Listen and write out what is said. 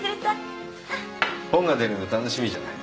本が出るの楽しみじゃない。